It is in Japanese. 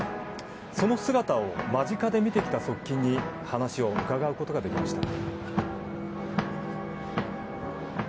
その姿を間近で見てきた側近に話を伺うことができました。